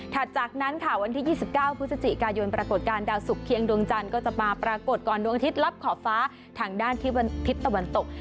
จากนั้นค่ะวันที่๒๙พฤศจิกายนปรากฏการณ์ดาวสุกเคียงดวงจันทร์ก็จะมาปรากฏก่อนดวงอาทิตย์ลับขอบฟ้าทางด้านทิศตะวันตก